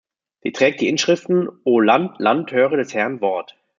Sie trägt die Inschriften „O Land, Land, höre des Herrn Wort!